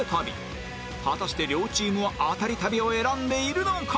果たして両チームはアタリ旅を選んでいるのか？